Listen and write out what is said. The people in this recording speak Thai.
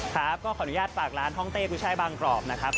ครับก็ขออนุญาตฝากร้านฮ่องเต้กุ้ยช่ายบางกรอบนะครับ